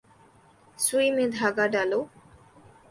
سوئی میں دھاگہ ڈالو